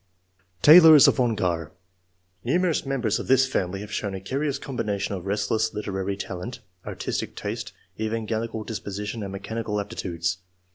Taylors of Ongar. — Numerous members of this family have shown a curious combination of restless literary talent, artistic taste, evangelical disposition, and mechanical aptitudes.